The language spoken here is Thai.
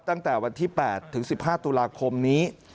ตั้งแต่วันที่๘ถึง๑๕ตุลาคมนี้